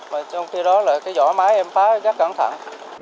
mà trong khi đó là cái vỏ máy em phá rất cẩn thận